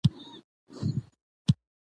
زه د لمانځه پابندي کوم.